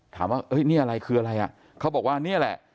ถามว่านี่อะไรคืออะไรอ่ะเขาบอกว่านี่แหละ